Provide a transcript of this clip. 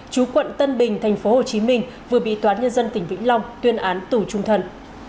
chú quận tân bình tp hcm vừa bị toán nhân dân tỉnh vĩnh long tuyên án tù trung thân